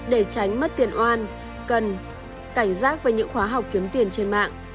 để tránh mất tiền oan cần cảnh giác với những khóa học kiếm tiền trên mạng